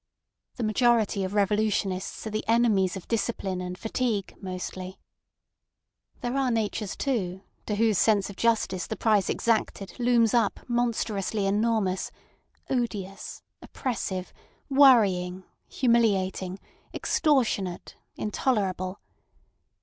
The majority of revolutionists are the enemies of discipline and fatigue mostly. There are natures too, to whose sense of justice the price exacted looms up monstrously enormous, odious, oppressive, worrying, humiliating, extortionate, intolerable.